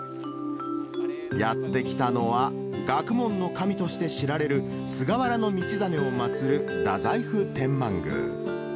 やって来たのは学問の神として知られる、菅原道真を祭る太宰府天満宮。